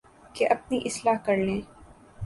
کہ اپنی اصلاح کر لیں